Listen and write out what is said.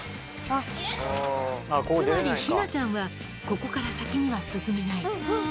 あー、つまりひなちゃんは、ここから先には進めない。